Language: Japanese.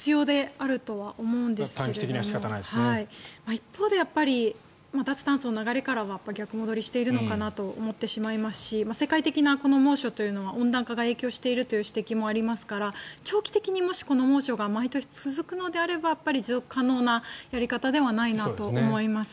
一方で脱炭素の流れからは逆戻りしているのかなと思ってしまいますし世界的な猛暑というのは温暖化が影響しているという指摘もありますから長期的にもしこの猛暑が毎年続くのであれば持続可能なやり方ではないなと思います。